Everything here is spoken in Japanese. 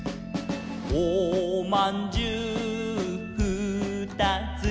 「おまんじゅうふーたつ」